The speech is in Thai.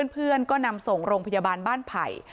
เพื่อนก็นำส่งโรงพยาบาลบ้านไผ่